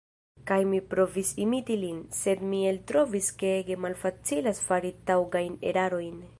Kaj mi provis imiti lin, sed mi eltrovis ke ege malfacilas fari taŭgajn erarojn.